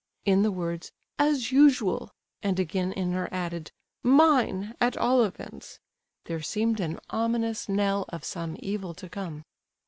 In the words "as usual," and again in her added, "mine, at all events," there seemed an ominous knell of some evil to come.